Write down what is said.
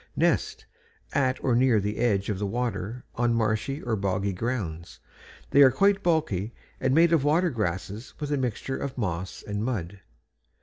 NEST At or near the edge of the water on marshy or boggy grounds; they are quite bulky and made of water grasses with a mixture of moss and mud.